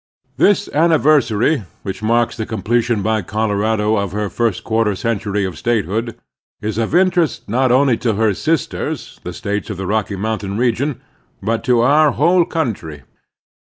THIS anniversary, which marks the comple tion by Colorado of her first quarter cen tury of statehood, is of interest not only to her sisters, the States of the Rocky Mountain region, but to our whole cotmtry.